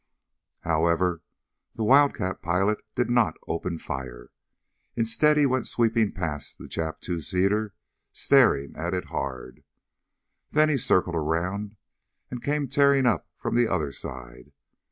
However, the Wildcat pilot did not open fire. Instead he went sweeping past the Jap two seater, staring at it hard. Then he circled around and came tearing up from the other side.